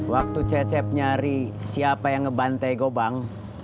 waktu cecep nyari siapa yang ngebante gobang